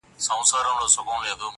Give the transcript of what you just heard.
ناز دي کمه سوله دي کم جنګ دي کم!!